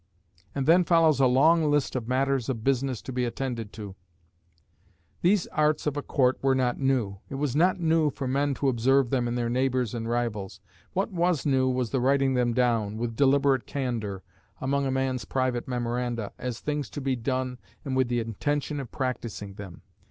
(And then follows a long list of matters of business to be attended to.) These arts of a court were not new; it was not new for men to observe them in their neighbours and rivals. What was new was the writing them down, with deliberate candour, among a man's private memoranda, as things to be done and with the intention of practising them.